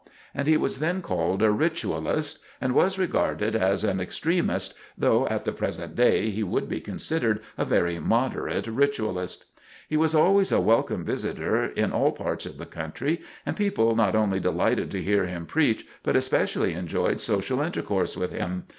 And he was then called a "Ritualist," and was regarded as an extremist though at the present day he would be considered a very moderate ritualist. He was always a welcome visitor in all parts of the country and people not only delighted to hear him preach but especially enjoyed social intercourse with him.